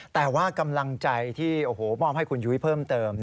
แต่ว่ากำลังใจที่โอ้โหมอบให้คุณยุ้ยเพิ่มเติม